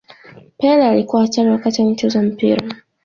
pele alikuwa hatari wakati anacheza mpira